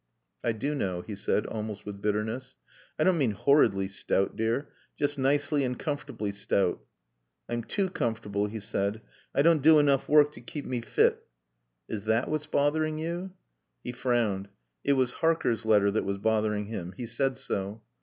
"I do know," he said almost with bitterness. "I don't mean horridly stout, dear, just nicely and comfortably stout." "I'm too comfortable," he said. "I don't do enough work to keep me fit." "Is that what's bothering you?" He frowned. It was Harker's letter that was bothering him. He said so.